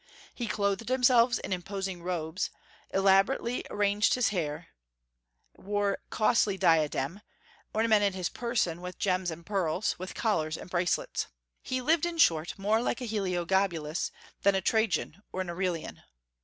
He clothed himself in imposing robes; elaborately arranged his hair; wore a costly diadem; ornamented his person with gems and pearls, with collars and bracelets. He lived, in short, more like a Heliogabalus than a Trajan or an Aurelian.